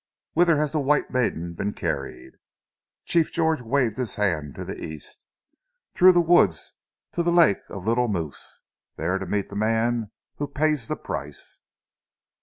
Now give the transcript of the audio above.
"Whither has the white maiden been carried?" Chief George waved his hand to the East. "Through the woods to the lake of Little Moose, there to meet the man who pays the price."